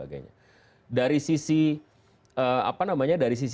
daripada pandangan dan keputusan keputusan berkait dengan fenomena yang ada di republik ini